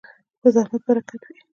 په زحمت برکت وي.